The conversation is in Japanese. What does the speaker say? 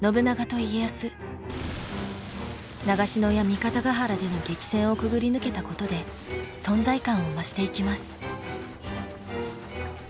長篠や三方ヶ原での激戦をくぐり抜けたことで存在感を増していきます。